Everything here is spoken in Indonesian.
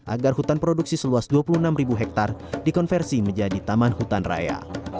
agar hutan produksi seluas dua puluh enam hektare dikonversi menjadi taman hutan raya